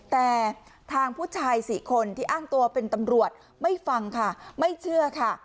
แต่ทางผู้ชายสี่คนที่อ้างตัวเป็นตำรวจไม่ฟังค่ะไม่เชื่อค่ะ